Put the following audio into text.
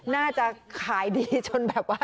น่าจะขายดีจนแบบว่า